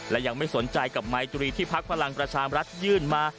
และยังไม่สนใจกับไมตรีที่พักพลังประชามรัฐยื่นมา